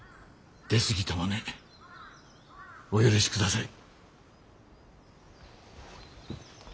出過ぎたまねお許しください。